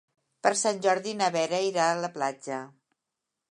Per Sant Jordi na Vera irà a la platja.